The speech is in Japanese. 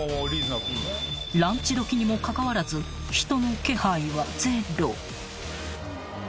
［ランチ時にもかかわらず人の気配はゼロ］